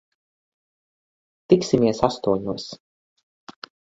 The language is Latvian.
Tiksimies astoņos.